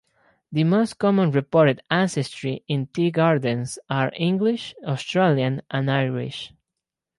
The most common reported ancestries in Tea Gardens are English, Australian and Irish.